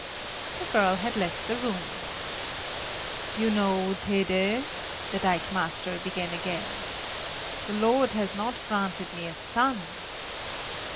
The girl had left the room. "You know, Tede," the dikemaster began again, "the Lord has not granted me a son!"